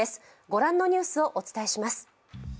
御覧のニュースをお伝えします。